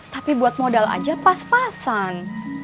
tapi buat modal aja pas pasan